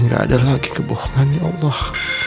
gak ada lagi kebohongan ya allah